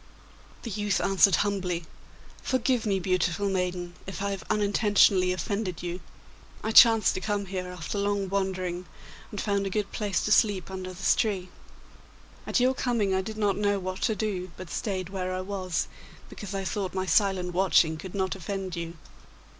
The youth answered humbly: 'Forgive me, beautiful maiden, if I have unintentionally offended you. I chanced to come here after long wandering, and found a good place to sleep under this tree. At your coming I did not know what to do, but stayed where I was, because I thought my silent watching could not offend you.